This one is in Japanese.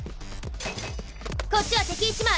こっちは敵１枚。